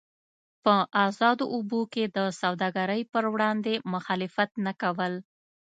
په ازادو اوبو کې د سوداګرۍ پر وړاندې مخالفت نه کول.